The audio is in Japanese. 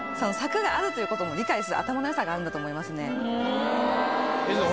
柵があるということも理解する頭のよさがあるんだと思いますね。